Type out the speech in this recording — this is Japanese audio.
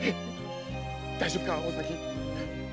大丈夫かお咲。